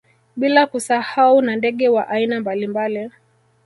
Bila kusahau na ndege wa aina mbalimbali